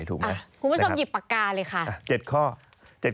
คุณผู้ชมหยิบปากกาเลยค่ะนะครับนะครับ